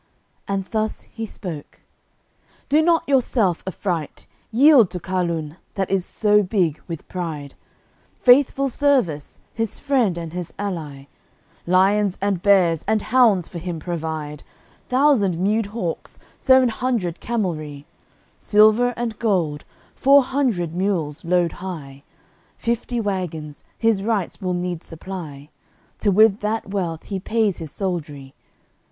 And thus he spoke: "Do not yourself affright! Yield to Carlun, that is so big with pride, Faithful service, his friend and his ally; Lions and bears and hounds for him provide, Thousand mewed hawks, sev'n hundred camelry; Silver and gold, four hundred mules load high; Fifty wagons his wrights will need supply, Till with that wealth he pays his soldiery.